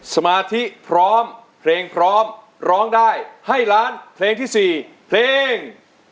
สมาธิพร้อมเพลงพร้อมร้องได้ให้ล้านเพลงที่๔เพลง